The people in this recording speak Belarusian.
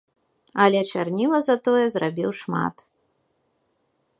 Але чарніла затое зрабіў шмат.